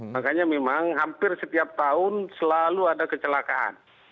makanya memang hampir setiap tahun selalu ada kecelakaan